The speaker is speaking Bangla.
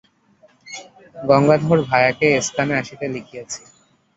গঙ্গাধর ভায়াকে এস্থানে আসিতে লিখিয়াছি।